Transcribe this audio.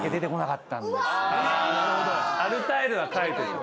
アルタイルは書いてる。